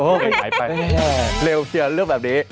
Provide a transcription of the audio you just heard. เฮ้อเป็นไงไปเร็วเรียนเลือกแบบนี้